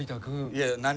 いや何？